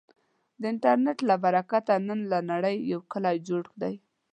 د انټرنټ له برکته، نن له نړې یو کلی جوړ دی.